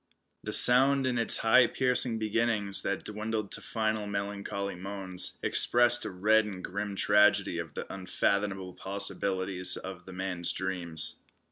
The sound in its high piercing beginnings, that dwindled to final melancholy moans, expressed a red and grim tragedy of the unfathomable possibilities of the man's dreams.